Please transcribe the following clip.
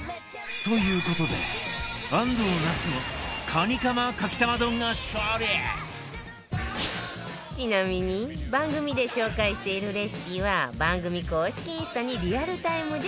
という事で安藤なつのちなみに番組で紹介しているレシピは番組公式インスタにリアルタイムで更新中